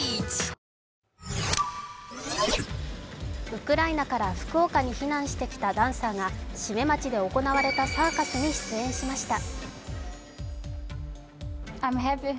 ウクライナから福岡に避難してきたダンサーたちが志免町で行われたサーカスに出演しました。